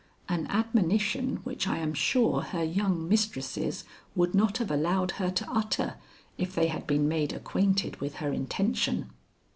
An admonition which I am sure her young mistresses would not have allowed her to utter if they had been made acquainted with her intention.